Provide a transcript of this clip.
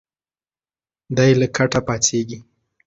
دی له کټه پاڅېږي.